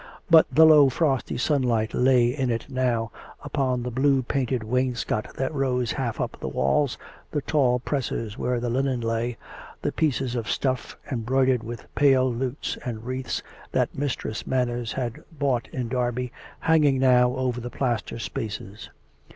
But the low frosty sunlight lay in it now, upon the blue painted wainscot that rose half up the walls, the tall presses where the linen lay, the pieces of stuff, embroidered with pale lutes and wreaths that Mis tress Manners had bought in Derby, hanging now over the plaster spaces.